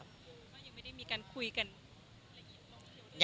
ยังไม่ได้มีการคุยกัน